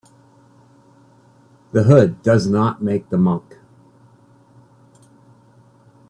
The hood does not make the monk.